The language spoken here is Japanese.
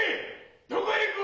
どこへ行く！？